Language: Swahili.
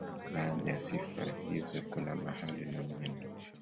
Baadhi ya sifa hizo kuna mahali na mwendo.